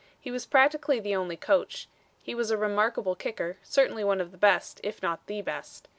He was practically the only coach. He was a remarkable kicker certainly one of the best, if not the best.